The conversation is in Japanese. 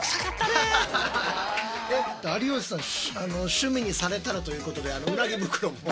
趣味にされたら？」ということでそうです。